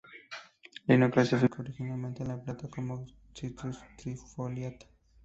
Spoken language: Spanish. Linneo clasificó originalmente la planta como "Citrus trifoliata".